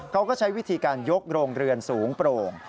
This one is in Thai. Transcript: เขาก็ใช้วิธีการยกโรงเรือนสูงโปร่ง